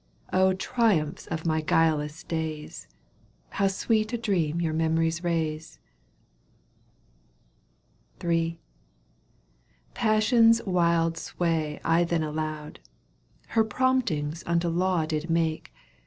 triumphs of my guileless days, How sweet a dream your memories raise ! III. Passion's wfld sway I then allowed. Her promptings unto law did make.